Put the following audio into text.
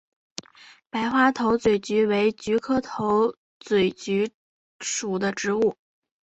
白花头嘴菊为菊科头嘴菊属的植物。